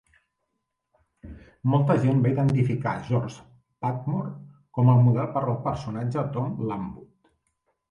Molta gent va identificar George Padmore como al model per al personatge "Tom Lanwood".